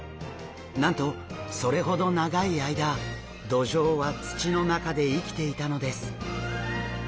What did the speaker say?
なんとそれほど長い間ドジョウは土の中で生きていたのです。